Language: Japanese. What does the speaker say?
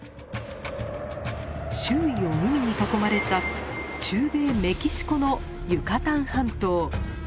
周囲を海に囲まれた中米メキシコのユカタン半島。